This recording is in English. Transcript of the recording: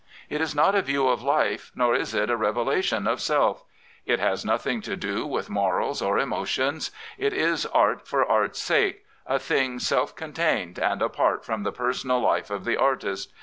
It is not a view of life, nor is it a revelation of self. It has nothing to do with morals or emotions. It is art for art's sake, a thing self contained and apart from the personal life of the artist.